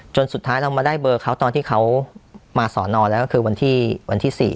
สุดท้ายเรามาได้เบอร์เขาตอนที่เขามาสอนอแล้วก็คือวันที่๔